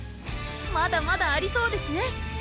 まだまだありそうですね